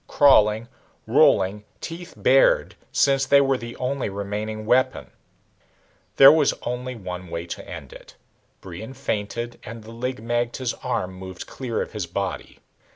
Crawling, rolling, teeth bared, since they were the only remaining weapon. There was only one way to end it. Brion feinted and the Lig magte's arm moved clear of his body.